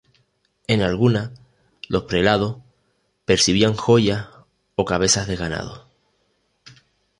En algunas los prelados percibían joyas o cabezas de ganado.